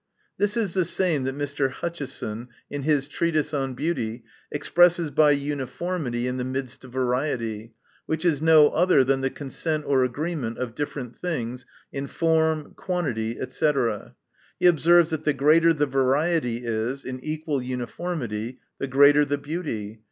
This is the same that Mr. Hutcheson, in his treatise on beauty, expresses by uniformity in the midst of variety. Which is no other than the consent or agreement of different things, in form, quantity, &c. He observes, that the greater the variety is, in equal uniformity, the greater the beauty.